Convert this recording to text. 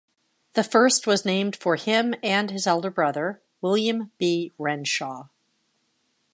The first was named for him and his elder brother, William B. Renshaw.